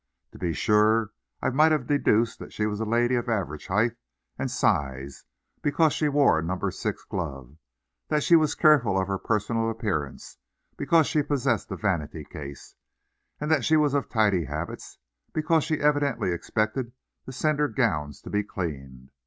To be sure I might have deduced that she was a lady of average height and size, because she wore a number six glove; that she was careful of her personal appearance, because she possessed a vanity case; that she was of tidy habits, because she evidently expected to send her gowns to be cleaned.